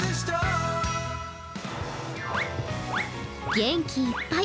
元気いっぱい